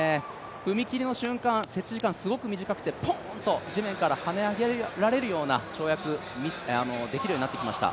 踏み切りの瞬間、接地時間すごく短くてポーンと地面からはね上げられるような跳躍できるようになってきました。